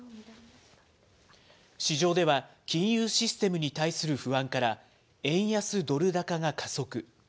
市場では金融システムに対する不安から円安ドル高が加速。